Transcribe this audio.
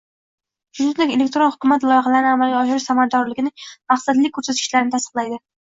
shuningdek elektron hukumat loyihalarini amalga oshirish samaradorligining maqsadli ko‘rsatkichlarini tasdiqlaydi.